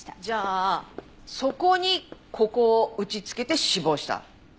じゃあそこにここを打ちつけて死亡した。